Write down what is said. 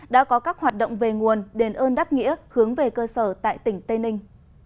đã có các hoạt động về nguồn đền ơn đáp nghĩa hướng về cơ sở tại tỉnh tây ninh